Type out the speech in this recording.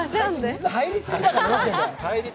水、入りすぎだよ、ロケで。